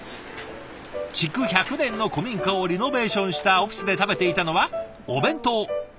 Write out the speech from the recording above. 築１００年の古民家をリノベーションしたオフィスで食べていたのはお弁当。